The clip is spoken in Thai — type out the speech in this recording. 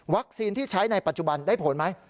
ที่ใช้ในปัจจุบันได้ผลไหม